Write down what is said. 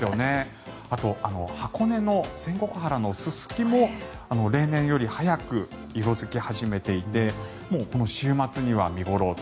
あと箱根の仙石原のススキも例年より早く色付き始めていてもうこの週末には見頃。